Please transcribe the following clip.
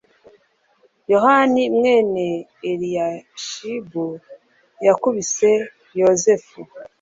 Yohanani mwene Eliyashibu yakubise yozefu